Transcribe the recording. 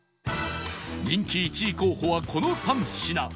人気１位候補はこの３品